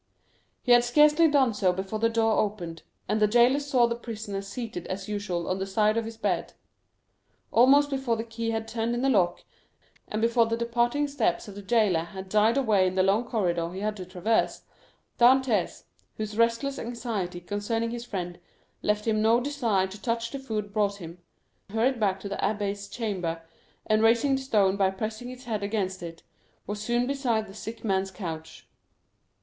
He had scarcely done so before the door opened, and the jailer saw the prisoner seated as usual on the side of his bed. Almost before the key had turned in the lock, and before the departing steps of the jailer had died away in the long corridor he had to traverse, Dantès, whose restless anxiety concerning his friend left him no desire to touch the food brought him, hurried back to the abbé's chamber, and raising the stone by pressing his head against it, was soon beside the sick man's couch.